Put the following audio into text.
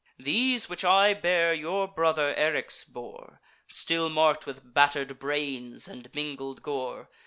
These which I bear your brother Eryx bore, Still mark'd with batter'd brains and mingled gore.